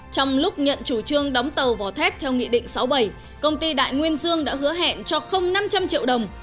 trong lúc nhận chủ trương đóng tàu vỏ thép theo nghị định sáu mươi bảy công ty đại nguyên dương đã hứa hẹn cho năm trăm linh triệu đồng